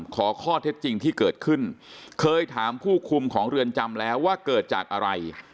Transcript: ขอข้อเท็จจริงที่เกิดขึ้นเคยถามผู้คุมของเรือนจำแล้วว่าเกิดจากอะไร